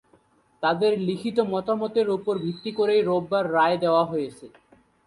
তাদের লিখিত মতামতের ওপর ভিত্তি করেই রোববার রায় দেওয়া হয়েছে।